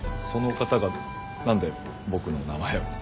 その方が何で僕の名前を。